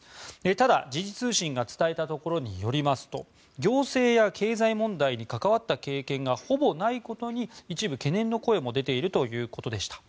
ただ、時事通信が伝えたところによりますと行政や経済問題に関わった経験がほぼないことに一部、懸念の声も出ているということでした。